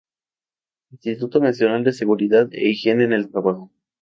Instituto Nacional de Seguridad e Higiene en el Trabajo.